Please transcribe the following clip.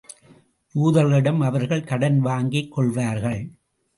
யூதர்களிடம் அவர்கள் கடன் வாங்கிக் கொள்வார்கள்.